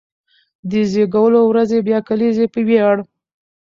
د زېږېدلو ورځې يا کليزې په وياړ،